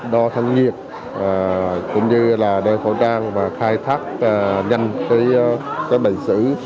đo thăng nhiệt cũng như đeo khẩu trang khai thác nhanh bệnh sử